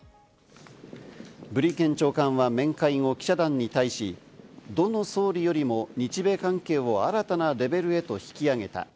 ブリンケン長官は面会後、記者団に対し、どの総理よりも日米関係を新たなレベルへと引き揚げた。